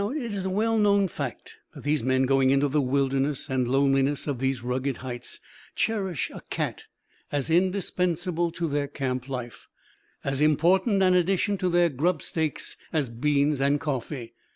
It is a well known fact that these men going into the wildness and loneliness of these rugged heights, cherish a cat as indispensable to their camp life; as important an addition to their "grub stakes" as beans and coffee.